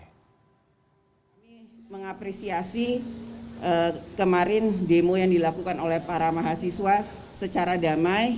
kami mengapresiasi kemarin demo yang dilakukan oleh para mahasiswa secara damai